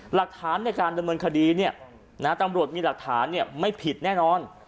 หลักฐานในการดำเนินคดีตำรวจมีหลักฐานไม่ผิดแน่นอน